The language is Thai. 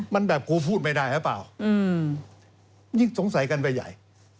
มันแบบกูพูดไม่ได้หรือเปล่ายิ่งสงสัยกันไปใหญ่